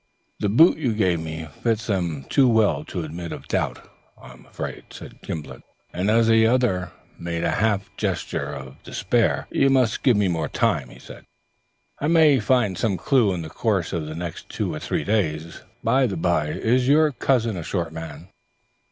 "The boot you gave me fits them too well to admit of doubt, I'm afraid," said Gimblet. And as the other made a half gesture of despair, "You must give me more time," he said; "I may find some clue in the course of the next two or three days. By the by, is your cousin a short man?"